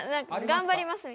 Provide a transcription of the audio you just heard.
頑張ります